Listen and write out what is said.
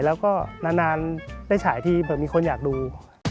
แล้วก็นานได้ฉายทีเผื่อมีคนอยากดู